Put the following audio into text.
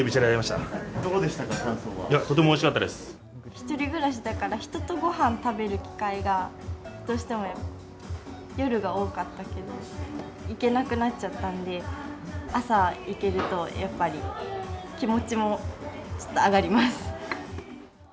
いや、とてもおいしかったで１人暮らしだから、人とごはん食べる機会が、どうしても夜が多かったけど、行けなくなっちゃったんで、朝行けると、やっぱり気持ちもちょっと上がります。